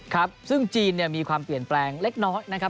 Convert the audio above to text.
ครับซึ่งจีนมีความเปลี่ยนแปลงเล็กน้อยนะครับ